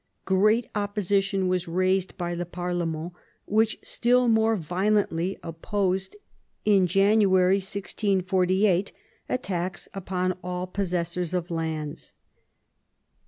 Great opposition was raised by the parlement, which still more violently opposed in January 1648 a tax upon all possessors of lands.